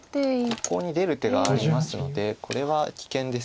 ここに出る手がありますのでこれは危険です。